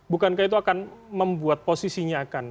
bukankah itu akan membuat posisinya akan